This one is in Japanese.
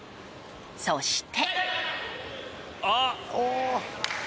そして。